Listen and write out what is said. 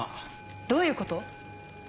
どういうこと？